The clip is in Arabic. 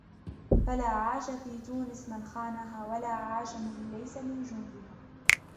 فَلَا عَاشَ فِي تُونِسْ مَنْ خَانَهَا وَلَا عَاشَ مَنْ لَيْسَ مِنْ جُنْدِهَا